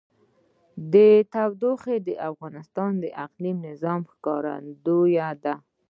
تودوخه د افغانستان د اقلیمي نظام ښکارندوی ده.